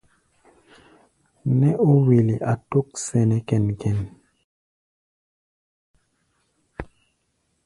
Nɛ́ ó wele a tók sɛnɛ kɛ́n-kɛ-kɛ́n.